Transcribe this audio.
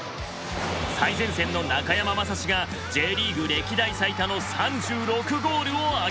最前線の中山雅史がＪリーグ歴代最多の３６ゴールを挙げた！